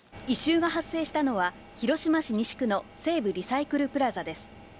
異臭が発生したのは、広島市西区の西部リサイクルプラザです。